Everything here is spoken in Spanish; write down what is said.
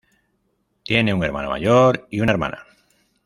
Tiene un hermano mayor y una hermana.